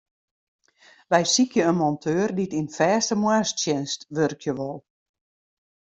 Wy sykje in monteur dy't yn fêste moarnstsjinst wurkje wol.